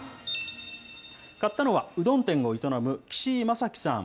買ったのは、うどん店を営む岸井正樹さん。